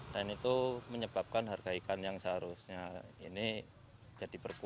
dan itu menyebabkan harga ikan yang seharusnya ini jadi berlebihan